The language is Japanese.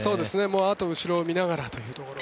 あとは後ろを見ながらというところ。